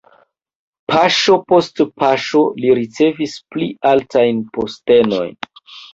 Paŝo post paŝo li ricevis pli altajn postenojn.